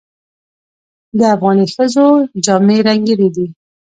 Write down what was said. د افغاني ښځو جامې رنګینې دي.